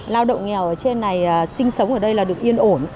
lao động nghèo ở trên này sinh sống ở đây là được yên ổn